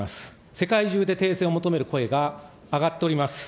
世界中で停戦を求める声が上がっております。